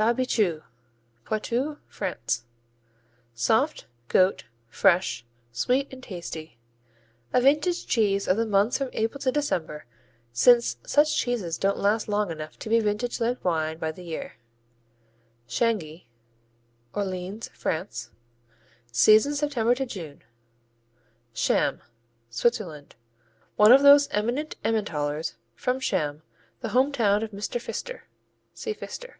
Chabichou Poitou, France Soft; goat; fresh; sweet and tasty. A vintage cheese of the months from April to December, since such cheeses don't last long enough to be vintaged like wine by the year. Chaingy Orléans, France Season September to June. Cham Switzerland One of those eminent Emmentalers from Cham, the home town of Mister Pfister (see Pfister).